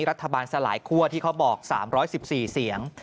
รัฐบาลสลายคั่วที่เขาบอก๓๑๔เสียง